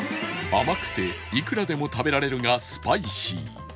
甘くていくらでも食べられるがスパイシー